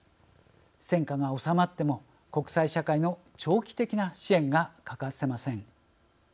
戦火が収まっても国際社会の長期的な支援が欠かせません。